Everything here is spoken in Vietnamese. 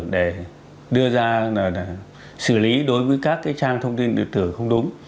để đưa ra xử lý đối với các trang thông tin điện tử không đúng